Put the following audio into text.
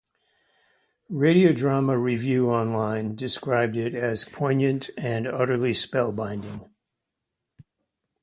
Radio Drama Review online described it as "poignant and utterly spellbinding".